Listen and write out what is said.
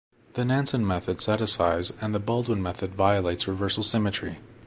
The Nanson method satisfies and the Baldwin method violates reversal symmetry.